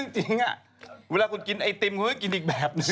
จริงอ่ะเวลาคุณกินไอติมคุณไม่ได้กินอีกแบบนึง